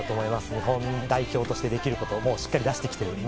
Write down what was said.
日本代表としてできることをしっかり出してきている。